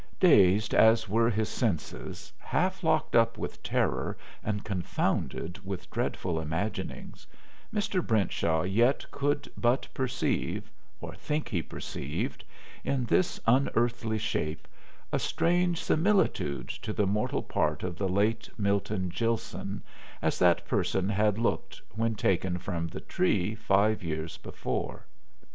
Dazed as were his senses, half locked up with terror and confounded with dreadful imaginings, Mr. Brentshaw yet could but perceive, or think he perceived, in this unearthly shape a strange similitude to the mortal part of the late Milton Gilson, as that person had looked when taken from The Tree five years before.